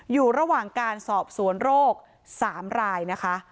อยู่ระหว่างการสอบสวนโรค๓รายนะคะ